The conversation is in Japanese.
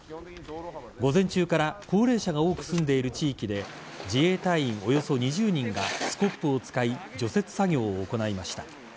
午前中から高齢者が多く住んでいる地域で自衛隊員およそ２０人がスコップを使い除雪作業を行いました。